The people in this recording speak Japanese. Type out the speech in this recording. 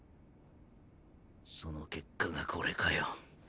その結果がコレかよ。